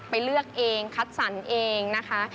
เลือกเองคัดสรรเองนะคะ